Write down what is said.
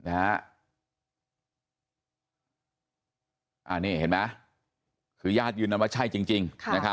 อ่านี่เห็นไหมคือยากยืนนั่นว่าใช่จริง